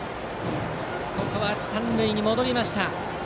ここは三塁に戻りました。